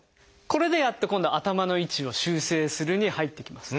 これでやっと今度「頭の位置を修正する」に入っていきます。